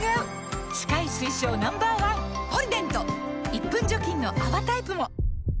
１分除菌の泡タイプも！